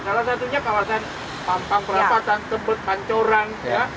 salah satunya kawasan pampang perapatan tebet pancoran